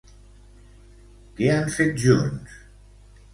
Què han fet junts?